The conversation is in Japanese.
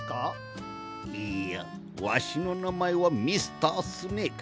いいやわしの名前はミスタースネイク。